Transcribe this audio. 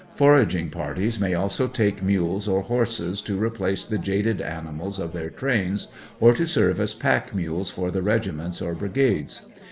Foraging parties may also take mules, or horses, to re place the jaded animals of their trains, or to serve as pack mules for the regiments or brigades.